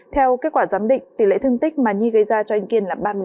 theo kết quả giám định tỷ lệ thương tích mà nhi gây ra cho anh kiên là ba mươi năm